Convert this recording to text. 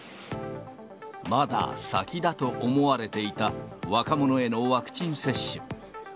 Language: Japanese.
まだ先だと思われていた若者へのワクチン接種。